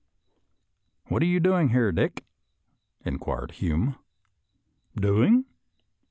" What are you doing here, Dick ?" inquired Hume. " Doing.!'